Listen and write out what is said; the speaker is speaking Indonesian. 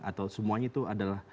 atau semuanya itu adalah